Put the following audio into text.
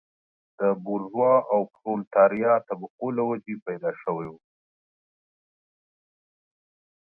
د بورژوا او پرولتاریا طبقو له وجهې پیدا شوی و.